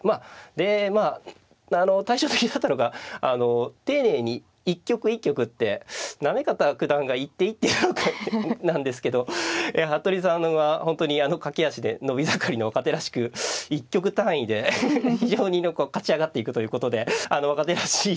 でまああの対照的だったのがあの丁寧に一局一局って行方九段が一手一手なんですけど服部さんは本当に駆け足で伸び盛りの若手らしく一局単位で非常に勝ち上がっていくということであの若手らしい